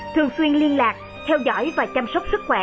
thường xuyên liên lạc theo dõi và chăm sóc sức khỏe